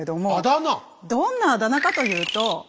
どんなあだ名かというと。